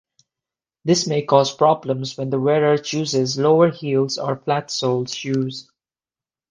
This may cause problems when the wearer chooses lower heels or flat-soled shoes.